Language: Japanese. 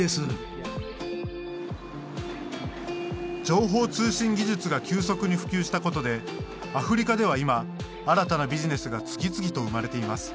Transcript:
情報通信技術が急速に普及したことでアフリカでは今新たなビジネスが次々と生まれています。